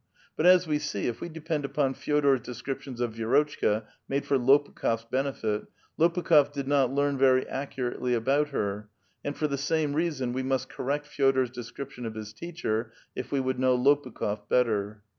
But, as we see, if we depend upon Fe6dor's descriptions of Vi(!?r()tchka made for Lopukh6f*s benefit, Lopukh6f did not learn very accurately about her, and for the same reason we must correct Fe6dor*s description of his teacher if we would know Lopukh6f better.